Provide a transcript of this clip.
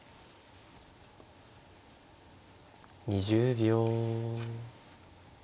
２０秒。